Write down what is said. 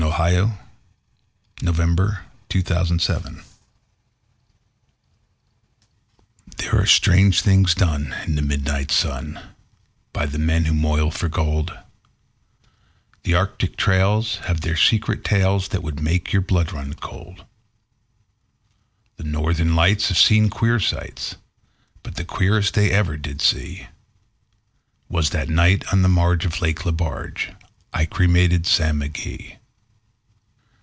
The Cremation of Sam Mcgee There are strange things done in the midnight sun By the men who moil for gold; The Arctic trails have their secret tales That would make your blood run cold; The Northern Lights have seen queer sights, But the queerest they ever did see Was that night on the marge of Lake Lebarge I cremated Sam McGee.